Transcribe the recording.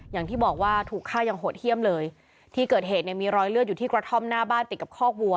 อย่างที่บอกว่าถูกฆ่ายังโหดเยี่ยมเลยที่เกิดเหตุเนี่ยมีรอยเลือดอยู่ที่กระท่อมหน้าบ้านติดกับคอกวัว